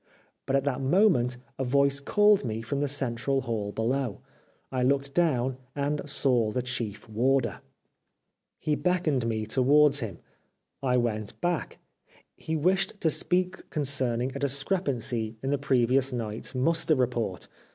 But at that moment a voice called me from the central hall below. I looked down, and saw the Chief Warder. He beckoned me towards him. I went back. He wished to speak concerning a discrepancy in the previous night's muster report.